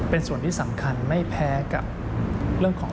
เป็นส่วนที่สำคัญไม่แพ้กับเรื่องของ